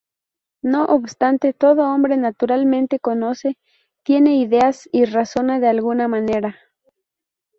No obstante, todo hombre naturalmente conoce, tiene ideas y razona de alguna manera.